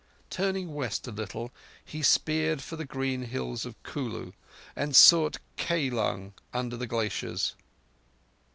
Turning west a little, he steered for the green hills of Kulu, and sought Kailung under the glaciers.